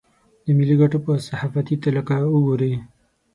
د ملي ګټو په صحافتي تله که وګوري.